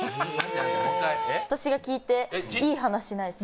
私が聞いていい話ないです